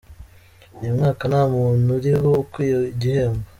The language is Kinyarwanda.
Uyu mwaka nta muntu uriho ukwiye igihembo